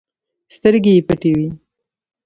سترګې يې پټې وې.